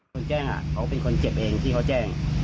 คนแจ้งเขาเป็นคนเจ็บเองที่เขาแจ้ง